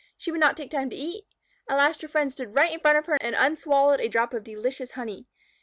She would not take time to eat. At last her friend stood right in front of her and unswallowed a drop of delicious honey.